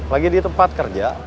lagi di tempat kerja